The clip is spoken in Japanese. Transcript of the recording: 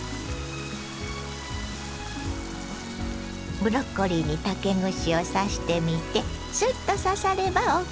ブロッコリーに竹串を刺してみてスッと刺さればＯＫ。